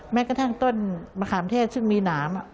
แม้กระทั่งต้นมะขามเทศซึ่งมีหนาม